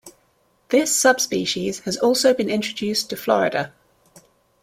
This subspecies has also been introduced to Florida.